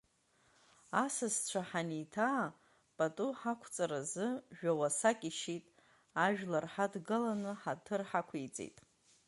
Асасцәа ҳаниҭаа, пату ҳақәҵаразы жәа-уасак ишьит, ажәлар ҳадгаланы ҳаҭыр ҳақәиҵеит.